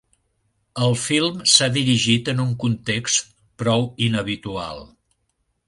El film s'ha dirigit en un context prou inhabitual.